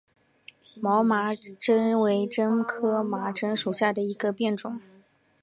毛麻楝为楝科麻楝属下的一个变种。